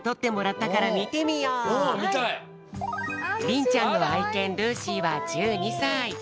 りんちゃんのあいけんルーシーは１２さい。